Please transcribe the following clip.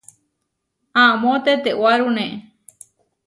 Amó tetewárune.